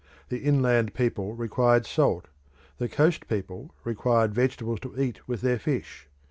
The inland people required salt; the coast people required vegetables to eat with their fish.